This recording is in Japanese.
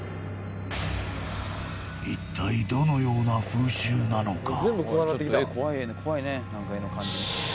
一体どのような風習なのか？